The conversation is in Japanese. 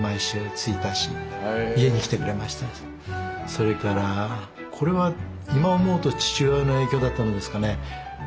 それからこれは今思うと父親の影響だったんですかね。